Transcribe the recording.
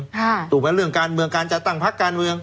ถูกไหมเรื่องการเมืองการจัดตั้งพักการเมือง